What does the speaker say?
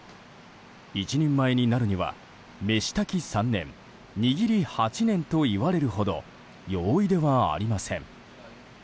一人前になるには飯炊き３年握り８年といわれるほど容易ではありません。